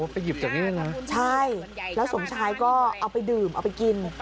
ไปหยิบจากนี้นะใช่แล้วสมชายก็เอาไปดื่มเอาไปกิน